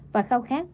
và khâu khát